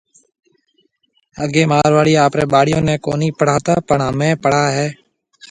اگَي مارواڙي آپرَي ٻاݪيون ني ڪونِي پڙھاتا پڻ ھمي پڙھائَي ھيَََ